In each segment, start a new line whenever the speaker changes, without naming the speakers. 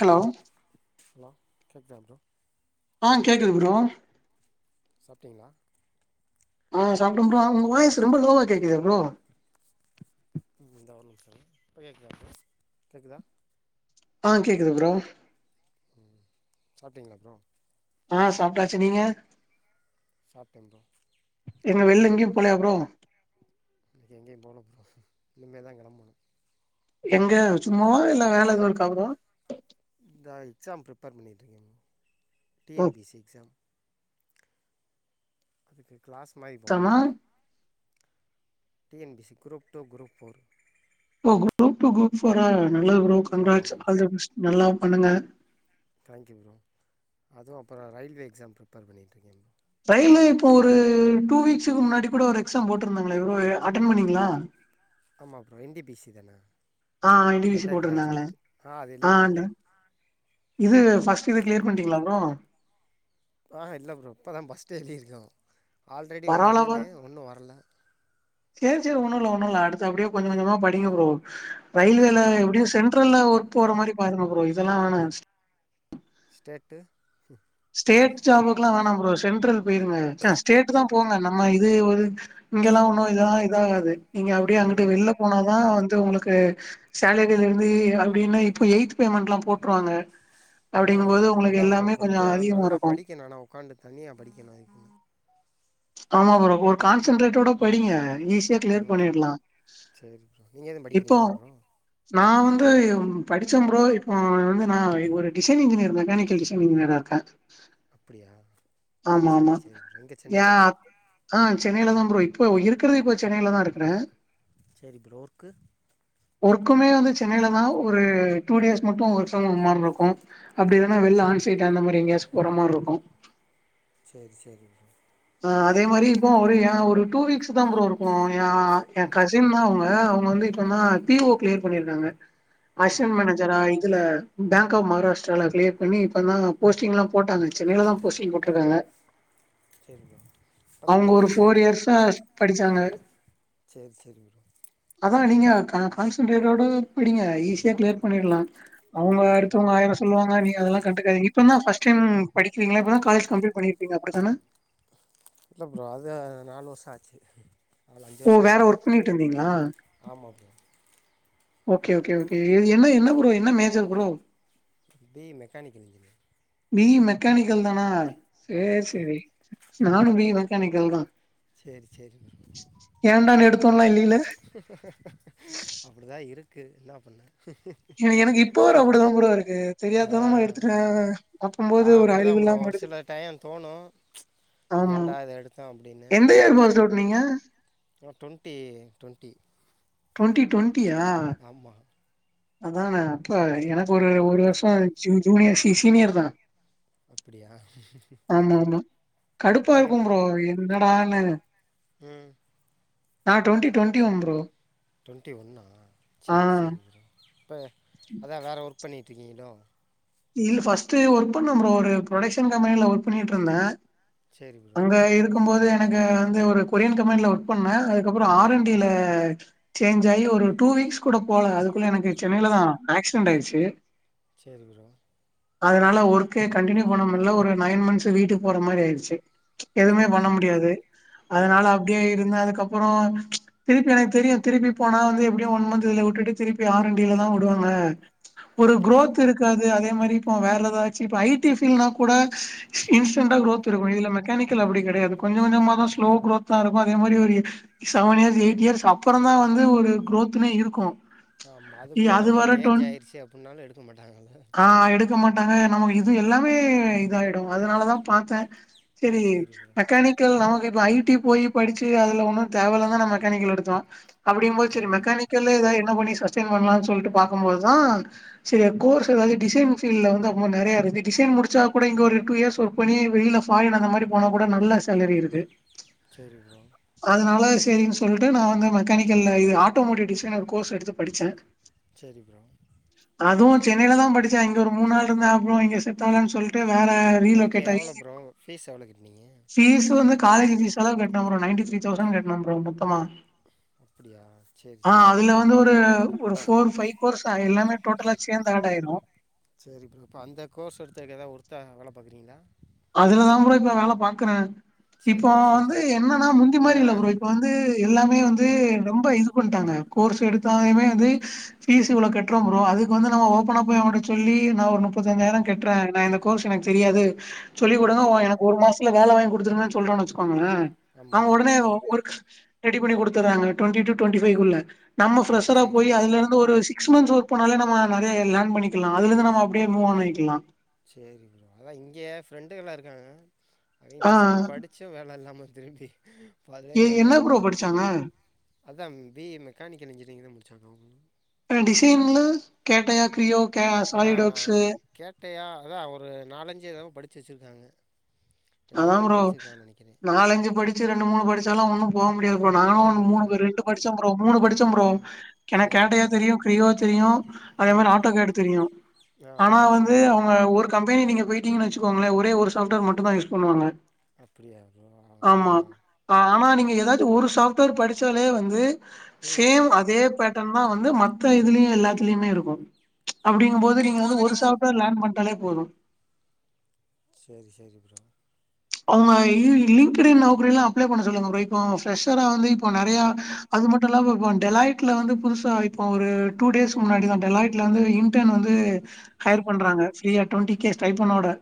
Hello
hello கேக்குதாங் bro
ஆ கேக்குது ப்ரோ
சாப்டீங்ளா
ஆ சாப்டே ப்ரோ உங்க வாய்ஸ் ரொம்ப லோவா கேக்குதே ப்ரோ
இந்தா ஒரு நிம்ஷோ இருங் இப்ப கேக்குதா ப்ரோ கேக்குதா
ஆ கேட்குது ப்ரோ
ம் சாப்டிங்ளா ப்ரோ
ஆ சாப்டாச்சி நீங்க
சாப்டேங் ப்ரோ
எங்க வெள்ல எங்கியு போலயா ப்ரோ
எங்கியு போல ப்ரோ இனிமே தா கெளம்பணு
எங்கே சும்மாவா இல்ல வேல எதுவு இருக்கா ப்ரோ
இந்தான் எக்ஸாம் ப்ரிப்பேர் பண்ணட்டுருக்கேங்க டி
ஓ
என் பி ‌சி எக்ஸாம் அதுக்கு கிளாஸ் மாறி
எக்ஸாமா
போகும் T N P C group two group four
ஒ குரூப் டு குரூப் ஃபோரா நல்லது ப்ரோ
ஆமாம்
கங்ராட்ஸ்
ப்ரோ
ஆல்தபெஸ்ட் நல்லா பண்ணுங்க
தேங்க்யூ ப்ரோ அதுவு அப்றோ ரயில்வே எக்ஸாம் ப்ரிப்பேர் பண்ணிட்ருக்கே
ரயில்லே இப்போ ஒரு டூ வீக்ஸுக்கு முன்னாடி கூட ஒரு எக்ஸாம் போட்ருந்தாங்ளே இவ்ளோ அட்டென் பண்ணீங்ளா
ஆமா bro N T P C தான
ஆ என் டி பி சி போட்ருந்தாங்ளே
அது
ஆ
எழுதிட்டேன்
அண்டு
ப்ரோ
இது ஃபஸ்ட்டு இது கிளியர் பண்ணிட்டீங்ளா ப்ரோ
ஆ இல்ல ப்ரோ இப்ப தா ஃபஸ்ட்டு எழுதியிருக ஆல்ரெடி ஒன்னு
பரவால்ல
எழுதுனே ஒன்னு வர்ல
செரி செரி ஒண்ணுல்ல ஒண்ணுல்ல அடுத்து அப்டியே கொஞ்ச கொஞ்சமா படிங்க ப்ரோ ரயில்வேல
சரி ப்ரோ
எப்டியோ சென் ரெல ஒர்க் போற மாறி பாருங்க ப்ரோ இதல்லா வானா
ஸ்டேட்டு
ஸ்டேட் ஜாப்க்குல்லா வேணாம் ப்ரோ சென்ட்ரல் போயிருங்க சே ஸ்டேட்டு தா போங்க நம்ம இது ஒரு இங்கெலா ஒன்னு இதா இதா ஆகாது நீங்க அப்டியே அங்குட்டு
ம்
வெள்ள போனாதா வந்து உங்ளுக்கு சேலரிலருந்து அப்டினா இப்ப எய்த் பேமெண்ட்லா போட்ருவாங்க அப்டிங்கும் போது உங்ளுக்கு எல்லாமே கொஞ்சோ
ஞ்சா
அதிகமா
நல்லா
இருக்கு
படிக்கினோ ஆனா ஒக்கான்ட்டு தனியா படிக்கனோ
ஆமா ப்ரோ ஒரு கான்சன்ட்ரேட்டோட படிங்க ஈசி யா கிளியர்
ம்
பண்ணிட்லா
சேரி ப்ரோ நீங்க எதுவு
இப்போ
படிக்கிறீங்களா ப்ரோ
நா வந்து படிச்சே ப்ரோ இப்போ வந்து ந ஒரு டிசைன் இன்ஜினியர் மெக்கானிக்கல் [unintelligible]
அப்டியா
ஆமா ஆமா
செரி செரி எங்கே
ஏ
சென்னைய்லியா
ஆ சென்னைல தா ப்ரோ இப்ப இருக்கறது இப்போ சென்னைல தான் இருக்கறே
சரி ப்ரோ ஒர்க்கு
ஒர்க்குமே வந்து சென்னையில தான் ஒரு டூ டேஸ் மட்டும் ஒர்க் ப்ரம் ஹோம் மாதிரி இருக்கும் அப்படி இல்லனா வெளில ஆன் சைட் அந்த மாதிரி எங்கேயாது போற மாதிரி இருக்கும்
சரி சரி
ஆ அதே மாதிரி இப்போ ஒரு என் ஒரு டூ வீக்ஸ் தான் ப்ரோ இருக்கும் என் என் கசின் தான் அவங்க அவங்க வந்து என்னா பிஓ கிளியர் பண்ணிருக்காங்க
ம்
அஷன் மேனேஜரா இதுல பேங்க் ஆஃப் மகாராஷ்டிரால கிளியர் பண்ணி இப்ப தா போஸ்டிங்லா போட்டாங்க சென்னையில தா போஸ்டிங் போட்ருக்காங்க
சேரிங்க
அங்க ஒரு ஃபோர் இயர்ஸ்ஸா படிச்சாங்க
சேர் சேரி
அதா நீங்க கா கான்சன்ட்ரேட்டோட படிங்க ஈஸியா கிளியர் பண்ணிடலா அவுங்க
ம் அதா
அடுத்தவங்க
ப்ரோ
ஆயிர ஸ் சொல்வாங்க நீங்க அதெல்லா கண்டுக்காதீங் இப்பந்தா ஃபஸ்டைம் படிக்கிறீங்களா இப்பதா காலேஜ் கம்ப்ளீட் பண்ணிருப்பீங்க அப்டித்தானே
இல்ல ப்ரோ அது நாலு வருஷ ஆச்சு நாலு அஞ்சு
ஓ
வருஷ
வேற
ஆகப்
ஒர்க் பண்ணிட்டு இருந்தீங்களா
ஆமா ப்ரோ
ஓகே ஓகே ஓகே இது என்ன என்ன ப்ரோ என்ன major bro
BE mechanical engineer
BE mechanical தானா
ஆமா
சேர் சேரி நானு பிஇ மெக்கானிக்கல் தா
சேர் சேரி
ஏன்டான்னு எடுத்தோன்லா இல்லைல
அப்படி தா இருக்கு என்ன பண்ண
என எனக்கு இப்ப வர அப்படிதா ப்ரோ இருக்கு தெரியாதனமா
ஆ
எடுத்துட்டே
ஆ
அப்பம்போது ஒரு
அப்படிதா
அறிவு
ப்ரோ
இல்லாம
ஒரு
எடுத்துட்டே
சில டைம் தோணு
ஆமா
ஏன்டா இத எடுத்தோ அப்டின்னு
எந்த இயர் பாஸ்டு அவுட் நீங்க
டொண்ட்டி டொண்ட்டி
டொண்ட்டி டொண்ட்டியா
ஆமா
அதானே அப்ப எனக்கு ஒரு ஒரு வருஷோ ஜு ஜூனியர் சீ சீனியர் தா
அப்படியா
ஆமா ஆமா கடுப்பா இருக்கு ப்ரோ என்ன டானு
ம்
டுவெண்ட்டி ஒன் ப்ரோ
டொண்ட்டி ஒன்னா
ஆ
சேர் சேரி ப்ரோ இப்ப அதா வேற ஒர்க் பண்ணட்டு இருக்கீங்களோ
இல்லு ஃபஸ்ட்டு ஒர்க் பண்ணே ப்ரோ ஒரு ப்ரொடக்ஷன் கம்பெனில ஒர்க் பண்ணிட்டு இருந்தே
சரி ப்ரோ
அங்க இருக்கும் போது எனக்கு வந்து ஒரு கொரியன் கம்பெனில ஒர்க் பண்ணே அது க்கு அப்புற ஆர்அண்ட்டில சேஞ்ச் ஆயி ஒரு டூ வீக்ஸ் கூட போல அதுக்குள்ள எனக்கு சென்னைலதா ஆக்சிடெண்ட் ஆயிருச்சு
சேரி ப்ரோ
அதனால ஒர்க்கே கண்டினியூ பண்ண முடில ஒரு நைன் மந்த்ஸு வீட்டுக்கு போற மாரி ஆயிருச்சு எதுவுமே
சரி
பண்ண
ப்ரோ
முடியாது
ம்
அதனால அப்டியே இருந்து அதுக்கப்புற திருப்பி எனக்கு தெரியு திருப்பி போனா வந்து எப்டியு ஒன் மந்த் இதுல விட்டுட்டு திருப்பி ஆர்அன்டில தா வுடுவாங்க ஒரு
ம்
குரோத் இருக்காது அதே மாரி இப்போ வேற ஏதாது ஆச்சு இப்ப ஐடி ஃபீல்னாக் கூட இன்ஸ்டன்ட்டா குரோத் இருக்கு இதுல மெக்கானிக்கல் அப்டி கெடையாது கொஞ்ச கொஞ்சமா மா ஸ்லோ குரோத்தா இருக்கும அதே மாதிரி ஒரு செவன் இயர்ஸ் எயிட் இயர்ஸ் அப்புற தா வந்து ஒரு க்ரோத்துன்னே இருக்கு அது வரட்டுன்
புன்னாலு எடுக்க மாட்டாங்கள
ஆ எடுக்க மாட்டாங்க நமக்கு இது எல்லாமே இதாயிடு அதுனாலதா பாத்தே சேரி
சரி ப்ரோ
மெக்கானிக் க்கல் நமக்கு இப்ப ஐடி போய் படிச்சு அதுல ஒன்னு தேவ இல்லன் தா நான் மெக்கானிக்கல் எடுத்தோ அப்டிம் போது சேரி
ஆமாம்
மெக்கானிக்கல்ல ஏதா என்ன பண்ணி சஸ்டெயின் பண்ணலான் சொல்ட்டு பாக்கும்போதுதா சேர் கோர்ஸ் எதாவது டிசைன் ஃபீல்ல வந்து அம்மா நெறையா இருக்கு டிசைன் முடிச்சா கூட இங்க ஒரு டூ இயர்ஸ் ஒர்க் பண்ணி வெளில ஃபாரின் அந்த மாரி போனா கூட நல்ல சேலரி இருக்கு
செரி ப்ரோ
அதனால சரின்னு சொல்லிட்டு நா வந்து மெக்கானிக்கல்ல இது ஆட்டோமோட்டிவ் டிசைனர் கோர்ஸ் எடுத்து படிச்சே
செரி ப்ரோ
அதுவு சென்னையில தான் படிச்சே இங்க ஒரு மூன் நாள் இருந்தா அப்புறம் இங்க செட்டில் ஆகலான்னு சொல் ட்டு வேற ரீ
அதுக்கு
லொக்கேட் ஆகி
எவ்வளோ ப்ரோ ஃபீஸ் எவ்வளோ கட்னீங்க
ஃபீஸ் வந்து காலேஜ் பீஸ்ஸலாம் கட்டினோ bro ninety three thousand கட்டின ப்ரோ மொத்தமா
அப்படியா சரி
ஆ
சரி
அதுல
ஓகே ப்ரோ
வந்து ஒரு ஒரு போர் பைவ் போர்ஸ்ஸ‌ எல்லாமே டோட்டல்லா சேர்ந்து ஆட ஆயிரு
சரி ப்ரோ அப்போ அந்த கோர்ஸ் எடுத்ததுக்கு எதாது ஒர்த்தா வேல பாக்குறீங்களா
அதுலதா ப்ரோ இப்ப வேல பாக்குறே இப்போ
சரி சரி
வந்து
ப்ரோ
என்னன்னா முந்தி மாரி
ஏன்னா
இல்ல ப்ரோ இப்ப வந்து எல்லாமே வந்து
ம்
ரொம்ப இது போட்டாங்க கோர்ஸ் எடுத்தாலுமே வந்து பீஸ் இவ்வளோ கட்றோ ப்ரோ அதுகு வந்து நம்ம‌ ஓப்பனா போய் அவன்ட்ட சொல்லி நா ஒரு முப்பத்தஞ்சாயிரம் கட்றே நா என கோர்ஸ் எனக்கு தெரியாது சொல்லிக் கொடுங்க
ம்
ஓ எனக்கு ஒரு மாசத்துல வேல வாங்கி குடுத்துருங்கன்னு சொல்றோன்னு வச்சுக்கோங்களே அவங்க
ஆமாம்
ஒடனே ஒர்க் ரெடி பண்ணி குடுத்தறாங்க ட்வண்டி டூ ட்வெண்டி பைவ்குள்ள நம்ம
டுவெண்ட்டி
ஃப்ஷரா போய்
ஃபைவ்க்குள்ளே
அதுல இருந்து இன்ன ஒரு சிக்ஸ் மன்ஸ் ஒர்க் பன்னாலே நிறைய லேன் பண்ணிக்கலாம் அதுல இருந்து நம்ம அடியே மூவ்ஆண் ஆயிக்கலா
சேரி ப்ரோ அதா இங்க ஏ ஃப்ரெண்டுகல்லா இருக்காங்க நறைய
ஆ
டிசைன் படிச்சும் வேலை இல்லாமல் திரும்பி
எ
பழயமாரி தா
என்ன ப்ரோ
இருக்காங்க
படிச்சாங்க?
அதா பி ஈ மெக்கானிக்கல் இன்ஜினியரிங் தா முடிச்சாங்க அவுங்களூ
டிசைன்லா கேட்டையா க்ரியோ கே
ஆ
சாலிட் ஆப்ஸ
கேட்டையா அதான் ஒரு நாலஞ்சு தவ படிச்சு வச்சுருக்காங்க ரெண்டு
அதா
மூணு
ப்ரோ
படிச்சிருக்காங்கன்னு நினைக்கிறேன்
நாலஞ்சு படிச்சு ரெண்டு மூனு படிச்சாலூ ஒன்னு போ முடியா ப்ரோ
போக
நானும்
முடில
மூனு ரெண்டு படிச்சோம் ப்ரோ மூனு படிச்சோம் ப்ரோ
ஆ
எனக்கு
சரி
கேட்டையா
ப்ரோ
தெரியும் கிரீயோ தெரியும் அதே
ம்
மாரி ஆட்டோ கேடு தெரியும்
ஆ
ஆனா
ஆனால்
வந்து
ஒன்றும்
அவுங்க ஒருக் கம்பேனி நீங்க போயிட்டீங்க வச்சுக்கோங்களே ஒரே ஒரு சாப்ட்வைர் மட்டுந் தான்யூஸ் பண்ணுவாங்க
அப்டியாக்கு ஆ
ஆமா ஆனா நீங்க எதாச்சு ஒரு சாப்ட்வேர் படிச்சாலே வந்து
ம்
சேம்‌ அதே பேட் ட்டான வந்து மத்த இதுலயும் எல்லாத்துலயுமே இருக்கும் அப்படிங்கும்பேது நீங்க வந்து ஒரு சா லேன்னா லான் பன்ட்டாலே போதும்
சேரி சேரி ப்ரோ
அவுங்க லிங்க்டுஇன் நாக்கிரிலா அப்ளே பண்ண சொல்லுங்க ப்ரோ இப்போ அவங்க பிரசர்ற வந்து இப்போ நிறைய
ஆம்
அது மட்டும் இல்லாம இப்போ டெலைட்ல வந்து புதுசா இப்ப ஒரு டூ டேஸ்க் முன்னாடி தான் டெலாய்ட்ல வந்து இன்டர்ன் வந்து ஹையர் பண்றாங்க ஃப்ரீயா டுவெண்டி கே ஸ்டைபன்னோட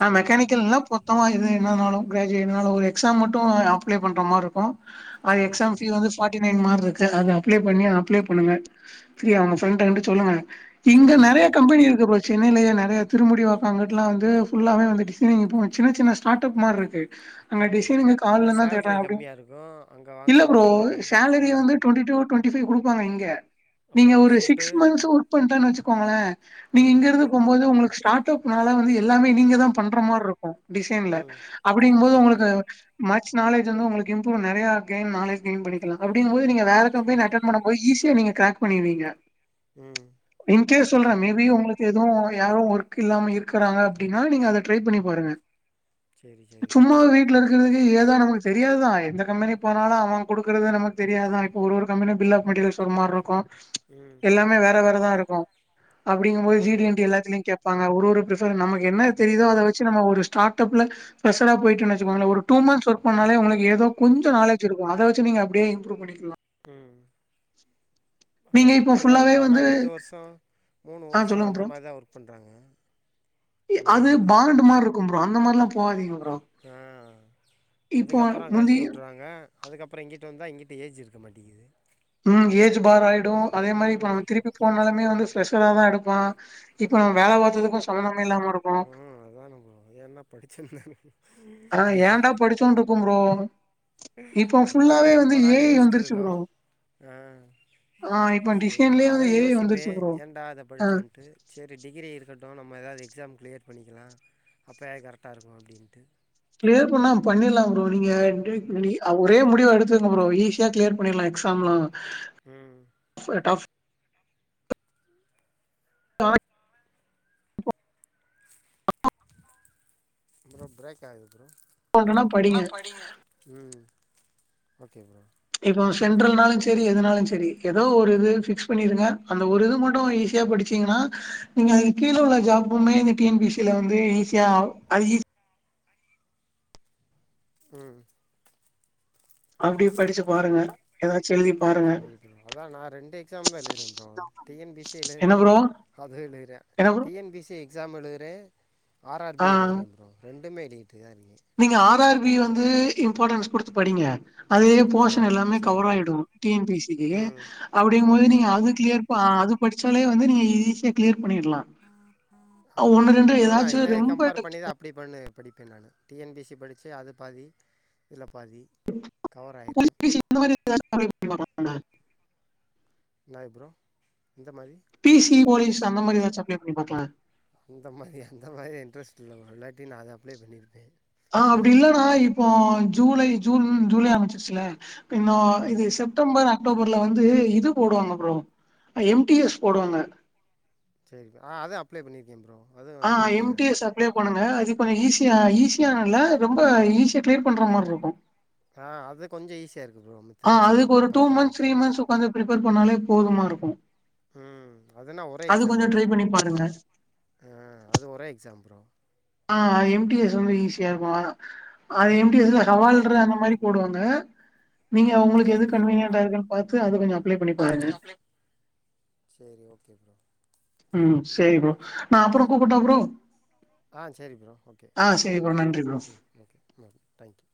நா
சரி ப்ரோ
மெக்கானுக்கல் இல்ல பொத்தமா இது என்னனாலு கிராஜவேனாலும் ஒரு எக்ஸாம் மட்டும் அப்ளை பண்ற மாரி இருக்கும் அது
சரி
எக்ஸாம்
சரி
ஃபீ
ப்ரோ
வந்து ஃபார்ட்டி நைன் மார்க் இருக்கு அது அப்ளை பண்ணி அப்ளை பண்ணுங்க ம் உங்க ப்ரண்ட் கண்டு சொல்லுங்க இங்க
சரி
நெறைய
ப்ரோ
கம்பெனி இருக்க சென்னையிலேயே நெறைய திருமுடிவக்காங்கிட்டல வந்து ஃபுல்லாவே வந்து டிசைனிங் இப்போ சின்ன சின்ன ஸ்டார்ட் அப் மாரி இருக்கு அங்க
ம்
டிசைனிங்க கால்லே
ஆனால்
தா
சேல்ரி
தேடுறங்கன் அப்டீன்
கம்மியாக இருக்கும் அங்கே
இல்ல
வாங்குறது
ப்ரோ
என்ன
சேலரி
ஆ
வந்து டொண்டி டூ டொண்டி பைவ் குடுப்பாங்க இங்க நீங்க
அப்புறம்
ஒரு
ஃபுட்டு
சிக்ஸ் மந்த்ஸ் ஒரு பு வச்சுக்கோங்களேன் நீங்க
ம்
இங்க இருந்து போம்போது உங்களுக்கு ஸ்டார்ட் அப் அதனால வந்து எல்லாமே நீங்க தா பண்ற மாரி இருக்கு டிசைன்ல
ம்
அப்டிங்கும் போது
சரி
உங்களுக்கு
ப்ரோ
மச் நாலேஜ் வந்து உங்ளுக்கு இம்ப்ரூவ நறையா கெயின் நாலேஜ் கெயின் பண்ணிக்கலா அப்டிங்க போது நீங்க வேற கம்பெனி அட்டன் பண்ண போது ஈஸியா நீங்க க்ராக் பண்ணுர்வீங்க
ம்
இன் கேஸ்
ஓகே
சொல்றே
ப்ரோ
மேபி உங்களுக் எதுவு யாரு ஒர்க் இல்லாம இருக்கிறாங்க அப்டின்னா நீங்க அத ட்ரை பண்ணி பாருங்க
சேரி சேரி ப்ரோ
சும்மா வீட்ல இருக்கறதுக்கு ஏதா நமக்கு தெரியாதா எந்த கம்பெனி போனாலு அவ குடுக்கற தான தெரியாதா இப்ப ஒரு ஒரு கம்பெனி பில் ஆப் மெட்ட ஒருமார்ருக்கு
ம்
எல்லாமே வேற வேறதா இருக்கு அப்படிங்கு போது ஜி டி
ஆமாம்
என் டி
ப்ரோ
எல்லாத்திலயு கேப்பாங்க ஒரு ஒரு ப் நமக்கு என்ன தெரியுதோ அத வச்சு நம்ம ஒருஸ் ஸ்டாடப்ல ஃப்ரஷரா போயிட்டோனு வச்சகோங்களே ஒரு டூ மன்ஸ் ஒர்க் போனாலே உங்களுக்கு ஏதோ கொஞ்சோ நாலேஜ் இருக்கு அத வச்ச நீங்க அப்டியே இம்ப்ரூவ் பண்ணிக்கலா
உ ஆனா
நீங்க
ஒர்க்
இப்போ ஃபுல்லாவே
பண்ணுறாங்கப்ரா ஆனா
வந்து
ரெண்டு வருஷோ மூணு
ஆ
வருஷோ
சொல்லுங்க
அந்த
ப்ரோ
மாரி தா ஒர்க் பண்றாங்க
அது பாண்டு் மார் இருக்கு ப்ரோ அந்த மாரில்லா போகாதீங்க ப்ரோ
ஆ
இப்போ
அதுக்கப்புறோ
முந்தி
கழட்டி விட்டுறாங்க அதுக்கப்புறோ இங்க்கிட்டே வந்தா இங்கிட்ட ஏஜ் இருக்க மாட்டேங்குது
உ பார் ஆயிடு அதே மாரி இப்ப
ம்
நம்ம திருப்பி போனாலுமே வந்து ஃப்ரஷராதா எடுப்பா இப்ப நம் வேல பாத்ததுக்கு சம்பந்தமே இல்லாம இருக்
ஆ அதான ப்ரோ என்ன படிச்சேன்னந்
ஆ ஏன்டா படிச்சோண்டு இருக்கு ப்ரோ இப்போ
அதனால
ஃபுல்லாவே
ரொம்ப
வந்து ஏ
நாள்
ஐ வந்துருச்சு
யோசித்துருக்கோ
ப்ரோ
ஆ
ஆ இப்ப
சரி நா
டிசைன்லயே வந்து
அதா
ஏ ஐ
யோசிப்பே
வந்துருச்சு ப்ரோ.
ஏன்டா இத
ஆ
படிச்சோன்ட்டு சரி டிகிரி இருக்கட்டு நம்ம எதாவது எக்ஸாம் கிளியர் பண்ணிக்கலா அப்போ எ கரெக்டா இருக்கு அப்டின்ட்டு
கிளியர் பண்ணா பண்ணிர்லா ப்ரோ நீங்க
ம்
இப்டி [unintelligible] ஒரே முடிவா எடுத்துருங்க ப்ரோ ஈஷ் யா கிளியர் பண்ணிட்லா எக்ஸாம்லா
உ
[unintelligible]
ப்ரோ ப்ரேக் ஆகுது ப்ரோ
பண்றனா படிங்க.
உ ஓகே ப்ரோ
இப்போ சென்ட்ரல்னாலு சரி எதுனாலு சரி ஏதோ ஒரு இது பிக்ஸ் பண்ணிருங்க அந்த ஒரு இது மட்டு ஈஸியா படி சிங்கன்னா நீங்க அதுக் கீழ உள்ள ஜாபும்மே டி என் பி சில வந்து ஈஸியா அது ஈஸ்
உ
அப்டி படிச்சு பாருங்க ஏதாச்சு எழுதி பாருங்க.
சரி ப்ரோ அதா நா ரெண்டு எக்ஸாம் தா எழுதுறே bro T N P C எழுதுறே
என்ன ப்ரோ?
அது எழிரே
என்ன bro?
T N P C exam எழுரே ஆர் ஆர் பி
ஆ.
எழுத்ரே ப்ரோ ரெண்டுமே எழுதிட்டு தா இருக்கே
நீங்க ஆர் ஆர் பி வந்து இம்பார்ட்டன்ஸ் குடுத்து படிங்க அதுவே
ஆ
போர்ஷன் எல்லாமே
சரி
கவர்
ப்ரோ
ஆயிடு டி என் பி சிகி
ம்
அப்படிங்கும் போது
ஆமா
நீங்க அதுக் கிளியர் ப அது படிச்சாலே வந்து நீங்க ஈஸியா கிளியர் பண்ணிட்லா ஆ
ஆமா
ஒன்னு
ப்ரோ
ரெண்டு
அததா
எதாச்சு
இத
ரொம்ப
கம்பேர் பண்ணி
[unintelligible]
தா அப்டி பண்ணு படிப்பே நானு டி என் பி சி படிச்சு அதுல பாதி இதுல பாதி கவர் ஆயிரு
[inaudible] [unintelligible]
இன்னாய் ப்ரோ இந்த மாரி
பிசிஒலிஸ் அந்த மாதிரி ஏதாச்சு அப்ளே பண்ணி பாக்கலா
இந்த மாதிரி அந்த மாதிரி இன்ரெஸ்ட் இல்ல ப்ரோ இல்லாட்டி நா அந்த மாரி அப்ளே பண்ணியிருப்பே
ஆ அப்டி இல்லனா இப்போ ஜூலை ஜூன் ஜூலை ஆரம்பிச்சிச்ல இன்னு
ம்
இது செப் செப்டம்பர் அக்டோபரில வந்து இது போடுவாங்க ப்ரோ எம்டிஎஸ் போடுவாங்க
சரிப்ப ஆ அத அப்ளே பண்ணிருக்கே ப்ரோ அதுவு
ஆ
எழுதியிருக்கே நானு
எம்டிஎஸ் அப்ளே பண்ணுங்க அது கொஞ்ச ஈஸியா
ம்
ஈஸியானல்ல ரொம்ப ஈஸியா கிளியர் பண்ற மார்ருக்கு
ஆ அது கொஞ்ச ஈஸியா இருக்கு ப்ரோ மத்
ஆ அதுக்கு ஒரு டூ மந்த்ஸ் த்ரீ மந்த்ஸ் ஒக்காந்து பிரிப்பேர் பண்ணாலே போதுமாருக்கு
அதுனா ஒரே எக்ஸாமணா
பண்ணி பாருங்க.
அது ஒரே எக்ஸாம் ப்ரோ
ஆ எம்டிஎஸ் வந்து ஈஸியாருக்கு அது எம்டிஎஸில
ம்
ஹவால்ற அந்த மாரி போடுவாங்க நீங்க ஒங்களுக்கு எது கன்வீனியன்டா இருக்குன் பாத்து அது கொஞ்ச அப்ளை பண்ணி
அத
பாருங்க.
கொஞ்ச அப்ளைப் சரி ஓகே ப்ரோ
ம் சேரி ப்ரோ நா அப்புற கூப்பட்டா ப்ரோ
ஆ சேரி ப்ரோம் ஓகே
ஆ சரி ப்ரோ. நன்றி ப்ரோ.
ம் ஓகே ம் டாங்க்யூ